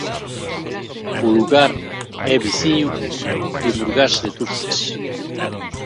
O lugar é veciño de Murgás de Turces.